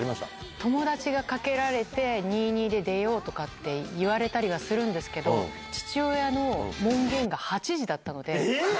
友達がかけられて、２、２で出ようとか言われたりするんですけど、父親の門限が８時だったので。